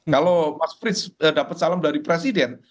kalau mas frits dapat salam dari presiden